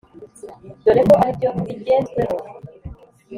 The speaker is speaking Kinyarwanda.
dore ko ari byo bijye nzweho